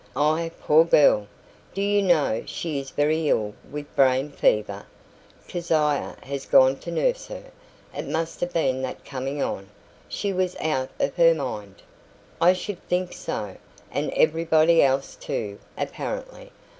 "Ah, poor girl! Do you know she is very ill with brain fever? Keziah has gone to nurse her. It must have been that coming on. She was out of her mind." "I should think so and everybody else too, apparently.